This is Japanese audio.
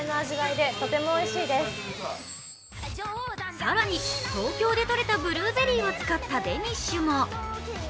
更に、東京でとれたブルーベリーを使ったデニッシュも。